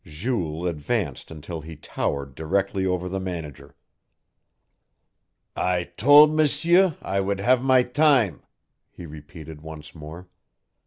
Jules advanced until he towered directly over the manager. "I tol' M'sieur I would have my time," he repeated once more.